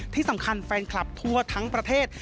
ที่สำคัญแฟนคลับทั่วทังประเทศ